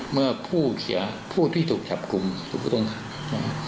เมื่อผู้ถูกกันจับคุมตูปปุธงครับ